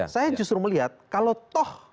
saya justru melihat kalau toh